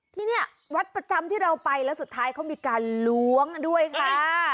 ที่นี่วัดประจำที่เราไปแล้วสุดท้ายเขามีการล้วงกันด้วยค่ะ